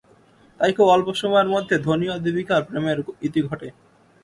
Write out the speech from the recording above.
তাই খুব অল্প সময়ের মধ্যে ধোনি ও দীপিকার প্রেমের ইতি ঘটে।